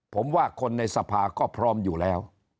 ผมว่าคนในสภาก็พร้อมอยู่แล้ว